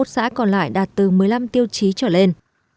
ba mươi một xã còn lại đạt từ một mươi năm tiêu chí trở lên